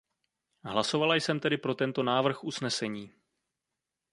Hlasovala jsem tedy pro tento návrh usnesení.